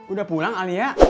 udah pulang alia